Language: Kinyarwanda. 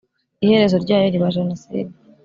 iherezo ryayo riba jenoside